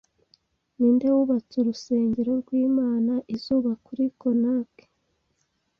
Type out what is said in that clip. Ninde wubatse urusengero rw'Imana izuba kuri Konark